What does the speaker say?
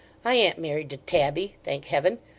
I an't married to Tabby, thank Heaven!